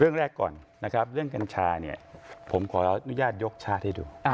นะครับเรื่องกัญชาผมขออนุญาตยกชาติให้ดู